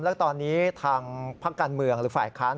แล้วตอนนี้ทางพักการเมืองหรือฝ่ายค้าน